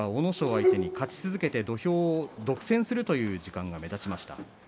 相手に勝ち続けて土俵を独占するという時間が目立ちました。